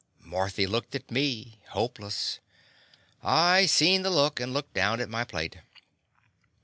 Marthy looked at me, hopeless. I seen the look and looked down at my plate.